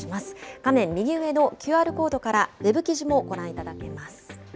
画面右上のＱＲコードからウェブ記事もご覧いただけます。